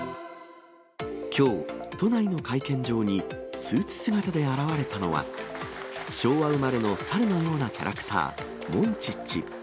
きょう、都内の会見場にスーツ姿で現れたのは、昭和生まれの猿のようなキャラクター、モンチッチ。